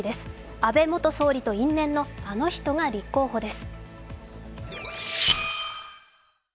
阿部元総理と因縁のあの人が立候補です。